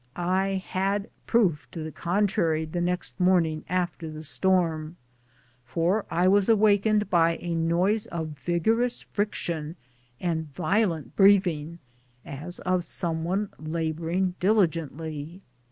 I had proof to the contrary the next morn ing after the storm, for I was awakened by a noise of vigorous friction and violent breathing, as of some one laboring diligently.